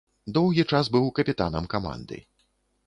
Доўгі час быў капітанам каманды.